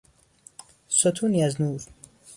ستونی از نور